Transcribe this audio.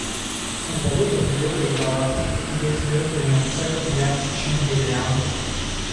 В далекой-далекой галактике, где звезды мерцают ярче, чем бриллианты,